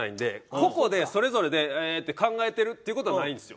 個々でそれぞれで「ええ」って考えてるっていう事はないんですよ。